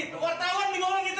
wartawan dibohongin terus